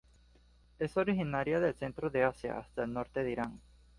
Es originaria del centro de Asia hasta el norte de Irán.